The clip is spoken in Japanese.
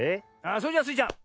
それじゃあスイちゃん